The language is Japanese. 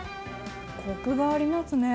コクがありますね。